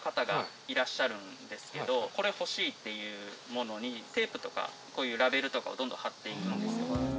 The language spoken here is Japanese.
これ欲しいっていうものにテープとかこういうラベルとかをどんどん貼って行くんですよ。